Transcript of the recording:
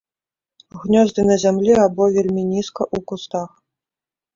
Гнёзды на зямлі або вельмі нізка, у кустах.